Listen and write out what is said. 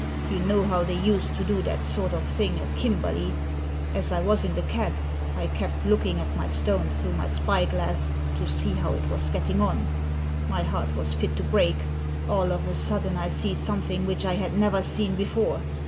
You know how they used to do that sort of thing at Kimberley. As I was in the cab I kept looking Digitized by VjOOQIC THE DIAMONDS 205 at my stone through my spy glass to see how it was getting on. My heart was fit to break. All of a sudden I see something which I had never seen before.